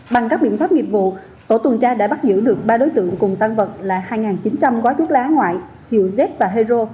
bằng các biện pháp nghiệp vụ tổ tuần tra đã bắt giữ được ba đối tượng cùng tăng vật là hai chín trăm linh gói thuốc lá ngoại hiệu z và hero